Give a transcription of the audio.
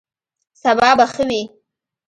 سبا به ښه وي